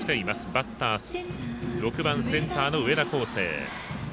バッター、６番センターの上田耕晟。